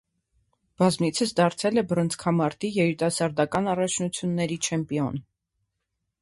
Բազմից դարձել է բռնցքամարտի երիտասարդական առաջնությունների չեմպիոն։